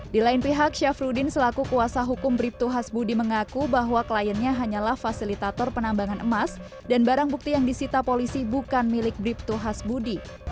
di lain pihak syafrudin selaku kuasa hukum brip tu has budi mengaku bahwa kliennya hanyalah fasilitator penambangan emas dan barang bukti yang disita polisi bukan milik brip tu has budi